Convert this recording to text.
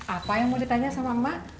apa yang mau ditanya sama mbak